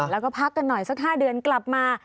แล้วก็พักกันหน่อยสัก๕เดือนกลับมา